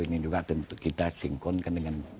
ini juga tentu kita sinkronkan dengan